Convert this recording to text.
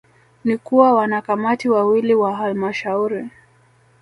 ni kuwa Wanakamati wawili wa Halmashauri